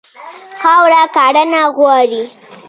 خاوره کرنه غواړي.